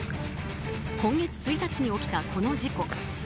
今月１日に起きた、この事故。